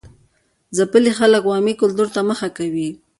ځپلي خلک عوامي کلتور ته مخه کوي.